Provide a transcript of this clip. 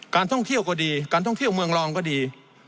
การท่องเที่ยวก็ดีการท่องเที่ยวเมืองรองก็ดี